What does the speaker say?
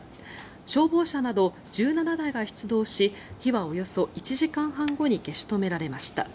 消防車など１７台が出動し火はおよそ１時間半後に消し止められました。